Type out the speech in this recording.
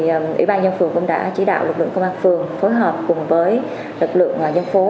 thì ủy ban nhân phường cũng đã chỉ đạo lực lượng công an phường phối hợp cùng với lực lượng dân phố